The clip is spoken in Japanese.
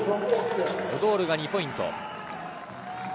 オドールが２ポイント。